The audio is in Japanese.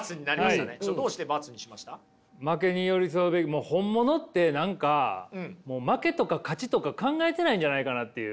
もう本物って何かもう負けとか勝ちとか考えてないんじゃないかなっていう。